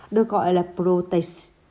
được gọi là protease